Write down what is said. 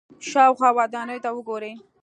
شاوخوا ودانیو ته وګورئ.